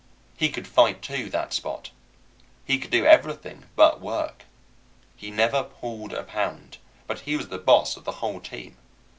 He could fight, too, that Spot. He could do everything but work. He never pulled a pound, but he was the boss of the whole team.